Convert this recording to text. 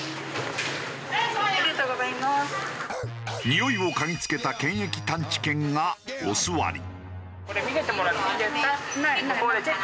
においを嗅ぎつけた検疫探知犬がおすわり。